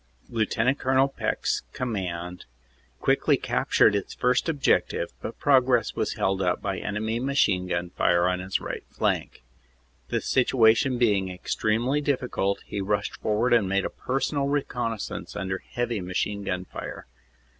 Lt. Col. Peck s command quickly cap tured its first objective but progress was held up by enemy machine gun fire on his right flank. The situation being extremely difficult, he rushed forward and made a personal reconnaissance under heavy machine gun fire.